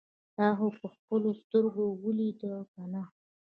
تا خو په خپلو سترګو اوليدل کنه.